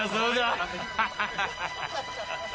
ハハハハ。